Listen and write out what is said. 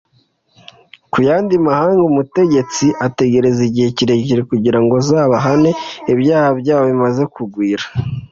ku yandi mahanga, umutegetsi ategereza igihe kirekire kugira ngo azabahane ibyaha byabo bimaze kugwira